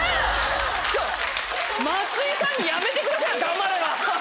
松井さんにやめてくださいよ「黙れ」は。